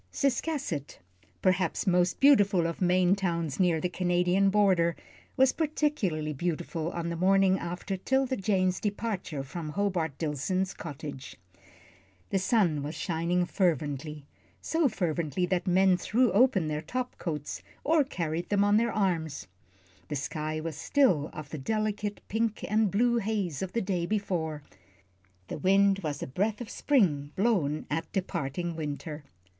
Ciscasset, perhaps most beautiful of Maine towns near the Canadian border, was particularly beautiful on the morning after 'Tilda Jane's departure from Hobart Dillson's cottage. The sun was still shining fervently so fervently that men threw open their top coats or carried them on their arms; the sky was still of the delicate pink and blue haze of the day before, the wind was a breath of spring blown at departing winter.